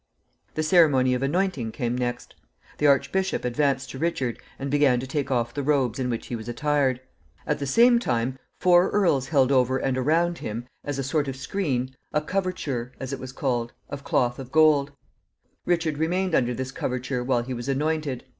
The ceremony of anointing came next. The archbishop advanced to Richard and began to take off the robes in which he was attired. At the same time, four earls held over and around him, as a sort of screen, a coverture, as it was called, of cloth of gold. Richard remained under this coverture while he was anointed.